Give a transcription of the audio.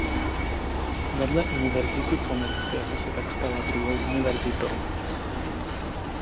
Vedle univerzity Komenského se tak stala druhou univerzitou.